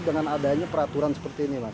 dengan adanya peraturan seperti ini mas